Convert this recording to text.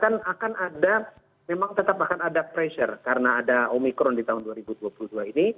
karena akan ada memang tetap akan ada pressure karena ada omikron di tahun dua ribu dua puluh dua ini